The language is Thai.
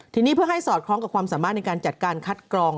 ทีนี้เพื่อให้สอดคล้องกับความสามารถในการจัดการคัดกรอง